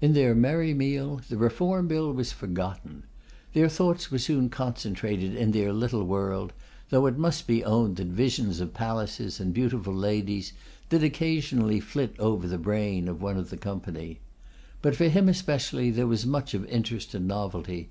In their merry meal, the Reform Bill was forgotten. Their thoughts were soon concentrated in their little world, though it must be owned that visions of palaces and beautiful ladies did occasionally flit over the brain of one of the company. But for him especially there was much of interest and novelty.